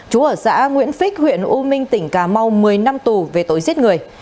chú ở xã nguyễn phích huyện u minh tỉnh cà mau một mươi năm tù về tội giết người